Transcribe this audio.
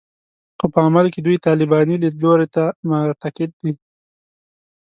خو په عمل کې دوی طالباني لیدلوري ته معتقد دي